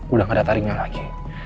udah gak ada taringnya lagi